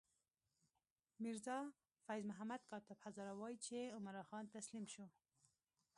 میرزا فیض محمد کاتب وايي چې عمرا خان تسلیم شو.